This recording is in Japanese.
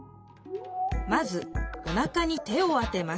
まずおなかに手を当てます。